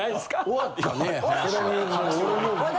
終わったねぇ話。